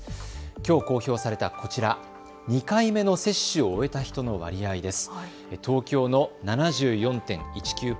きょう公表されたこちら、２回目の接種を終えた人の割合です。